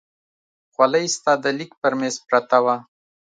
خولۍ ستا د لیک پر مېز پرته وه.